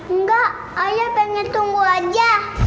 enggak ayah pengen tunggu aja